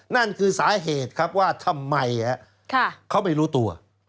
นั่นคือสาเหตุครับว่าทำไมเขาไม่รู้ตัว